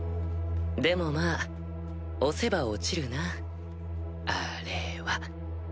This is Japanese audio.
でもまあ押せば落ちるなあ・れ・は。